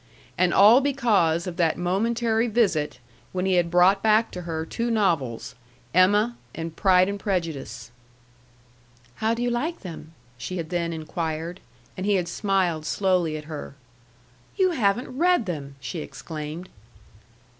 And all because of that momentary visit, when he had brought back to her two novels, EMMA and PRIDE AND PREJUDICE. "How do you like them?" she had then inquired; and he had smiled slowly at her. "You haven't read them!" she exclaimed.